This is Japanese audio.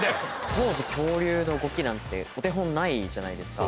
当時恐竜の動きなんてお手本ないじゃないですか。